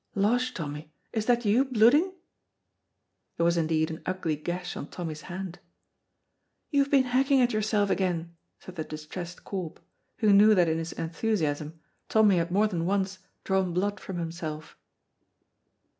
Losh, Tommy, is that you blooding?" There was indeed an ugly gash on Tommy's hand. "You've been hacking at yoursel' again," said the distressed Corp, who knew that in his enthusiasm Tommy had more than once drawn blood from himself.